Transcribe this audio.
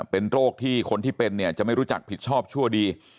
เป็นโรคที่คนที่เป็นเนี่ยจะไม่รู้จักผิดชอบชั่วดี